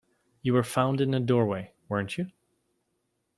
You were found in a doorway, weren't you?